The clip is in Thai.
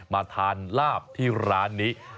มาทานลาบที่ร้านนี้